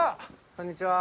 こんにちは。